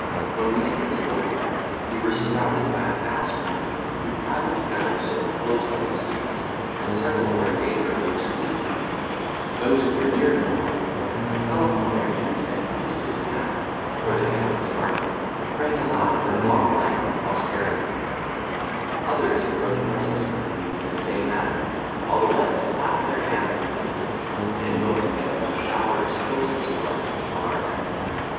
When we entered the court yard, we were surrounded by a vast number, who crowded together so closely to see us that several were in danger of being squeezed to death; those who were near Don Rodrigo fell upon their knees, and kissed his hand, or the hem of his garment, praying aloud for long life and prosperity to him; others approached Narcissa and me in the same manner; while the rest clapped their hands at a distance, and invoked heaven to shower its choicest blessings on our heads!